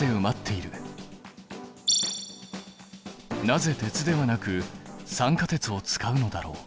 なぜ鉄ではなく酸化鉄を使うのだろう？